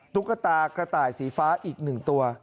ตุ๊กตากระต่ายสีฟ้าอีก๑ตัว